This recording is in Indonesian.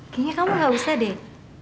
kayaknya kamu gak usah deh